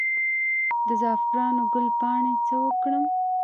د زعفرانو ګل پاڼې څه وکړم؟